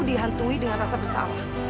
dihantui dengan rasa bersalah